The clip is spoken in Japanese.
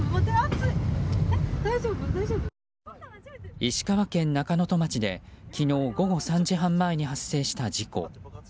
石川県中能登町で昨日午後３時半前に発生した事故。